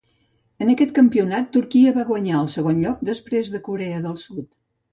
En aquest campionat, Turquia va guanyar el segon lloc després de Corea del Sud.